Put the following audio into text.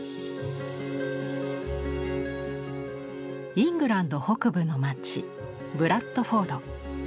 イングランド北部の街ブラッドフォード。